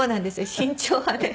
慎重派で。